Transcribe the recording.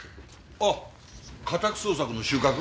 あっ家宅捜索の収穫？